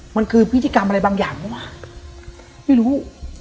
มันคือพิธีกรรมอะไรบางอย่างหรือเปล่าไม่รู้